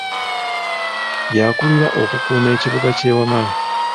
Yakulira okukuuma ekibuga ky’e Wamala.